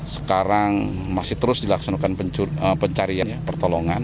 sekarang masih terus dilaksanakan pencarian pertolongan